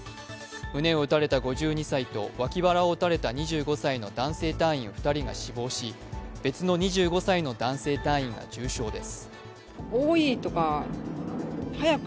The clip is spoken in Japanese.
胸を撃たれた５２歳と脇腹を撃たれた２５歳の男性隊員２人が死亡し別の２５歳の男性隊員が重傷です。